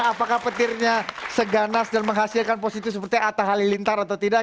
apakah petirnya seganas dan menghasilkan positif seperti atta halilintar atau tidak